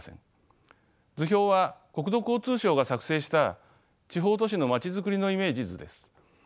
図表は国土交通省が作成した地方都市のまちづくりのイメージ図です。